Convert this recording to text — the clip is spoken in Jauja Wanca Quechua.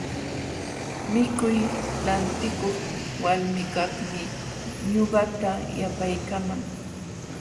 Mikuy lantikuq walmikaqmi ñuqata yapaykaman.